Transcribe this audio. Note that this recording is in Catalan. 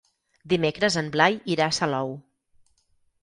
Dimecres en Blai irà a Salou.